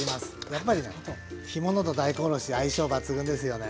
やっぱりね干物と大根おろしは相性抜群ですよね。